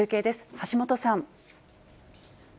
橋本さん。